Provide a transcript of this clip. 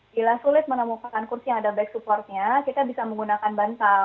bila sulit menemukan kursi yang ada back supportnya kita bisa menggunakan bantal